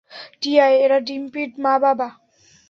টিয়া, এরা ডিম্পির বাবা-মা।